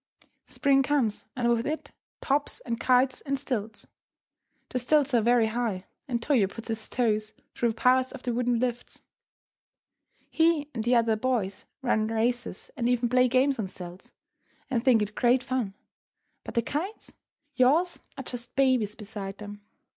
Spring comes, and with it, tops, and kites, and stilts. The stilts are very high, and Toyo puts his toes through parts of the wooden lifts. He and the other boys run races and even play games on stilts, and think it great fun. But the kites! Yours are just babies beside them.